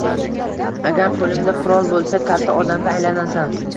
Agar qo`lingda qurol bo`lsa, katta odamga aylanasan